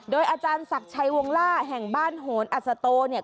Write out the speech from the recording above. อาจารย์ศักดิ์ชัยวงล่าแห่งบ้านโหนอัศโตเนี่ย